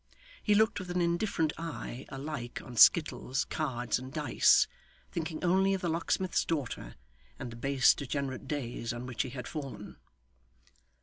He looked with an indifferent eye, alike on skittles, cards, and dice, thinking only of the locksmith's daughter, and the base degenerate days on which he had fallen.